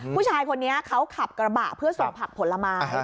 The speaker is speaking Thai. ผู้ชายคนนี้เขาขับกระบะเพื่อส่งผักผลไม้